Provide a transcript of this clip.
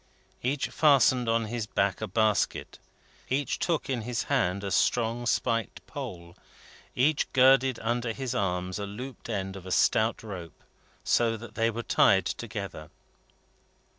Each fastened on his back a basket; each took in his hand a strong spiked pole; each girded under his arms a looped end of a stout rope, so that they were tied together.